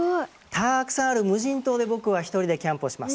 たくさんある無人島で僕は１人でキャンプをします。